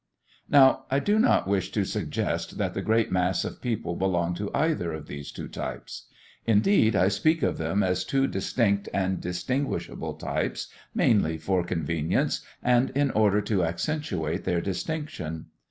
Now I do not wish to suggest that the great mass of people belong to either of these two types. Indeed, I speak of them as two distinct and distinguishable types mainly for convenience and in order to accentuate their distinction.